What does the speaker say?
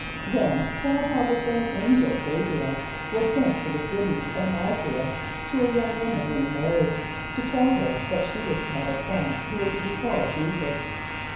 Then tell how the same Angel G[=a]´br[)i] el was sent to the City of N[)a]z´a r[)e]th to a young woman named M[=a]´r[)y] to tell her that she was to have a son who was to be called J[=e]´[s+]us.